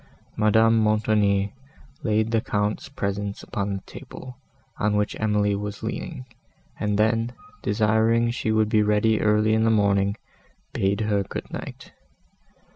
Madame Montoni laid the Count's presents upon the table, on which Emily was leaning, and then, desiring she would be ready early in the morning, bade her good night.